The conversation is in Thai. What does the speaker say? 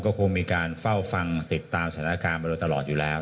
ก็คงมีการเฝ้าฟังติดตามสถานการณ์มาโดยตลอดอยู่แล้ว